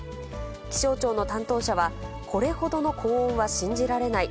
気象庁の担当者は、これほどの高温は信じられない。